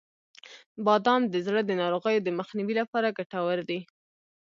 • بادام د زړه د ناروغیو د مخنیوي لپاره ګټور دي.